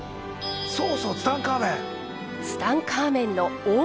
そうそうツタンカーメン。